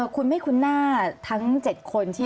คุณไม่คุ้นหน้าทั้ง๗คนที่